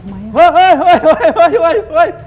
เฮ้ย